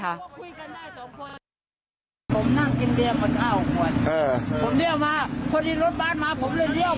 เขาไม่ได้เจ็บอะไรเลย